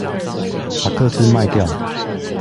把個資賣掉